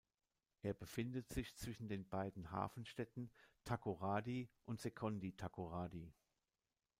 Er befindet sich zwischen den beiden Hafenstädten Takoradi und Sekondi-Takoradi.